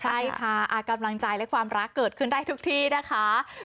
ใช่ค่ะกำลังใจและความรักเกิดขึ้นได้ทุกที่นะคะ